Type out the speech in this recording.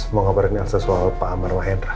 mau ngabarin alasan soal pak amar sama hendra